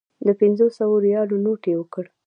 د پنځو سوو ریالو نوټ یې ورکړ.